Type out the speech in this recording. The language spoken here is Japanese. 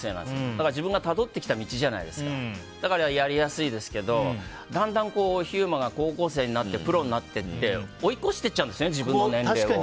だから自分がたどってきた道なのでやりやすいですけどだんだん飛雄馬が高校生になってプロになっていって追い越しちゃうんです、年齢を。